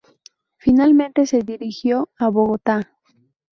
Finalmente se dirigió a Bogotá.